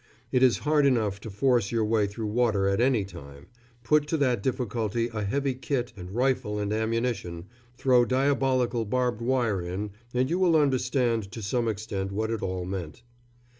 It is hard enough to force your way through water at any time; put to that difficulty a heavy kit and rifle and ammunition, throw diabolical barbed wire in, and you will understand to some extent what it all meant.